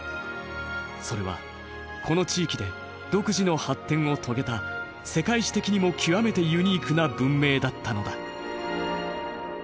それはこの地域で独自の発展を遂げた世界史的にも極めてユニークな文明だったのだ。